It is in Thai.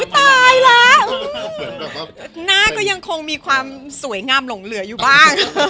ตายแล้วหน้าก็ยังคงมีความสวยงามหลงเหลืออยู่บ้าง